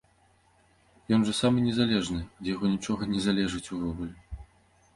Ён жа самы незалежны, ад яго нічога не залежыць увогуле!